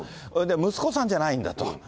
息子さんじゃないんだと。